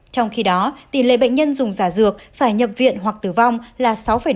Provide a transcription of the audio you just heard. trong khi đó tỷ lệ bệnh nhân dùng giả dược phải nhập viện hoặc tử vong là sáu năm